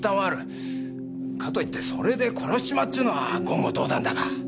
かといってそれで殺しちまうっちゅうのは言語道断だが。